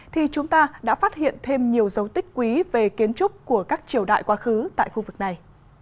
thì chúng ta đã phát hiện thêm nhiều dấu tích quý về kiến trúc của các triều đại quá khứ tại khu vực này